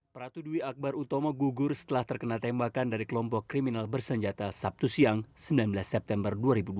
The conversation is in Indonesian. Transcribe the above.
pratu dwi akbar utomo gugur setelah terkena tembakan dari kelompok kriminal bersenjata sabtu siang sembilan belas september dua ribu dua puluh